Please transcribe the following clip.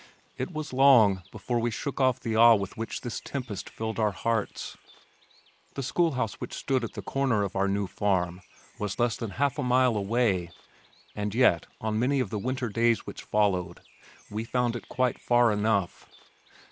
It was long before we shook off the awe with which this tempest filled our hearts. The school house which stood at the corner of our new farm was less than half a mile away, and yet on many of the winter days which followed, we found it quite far enough.